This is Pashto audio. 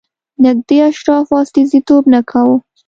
نږدې اشرافو استازیتوب نه کاوه.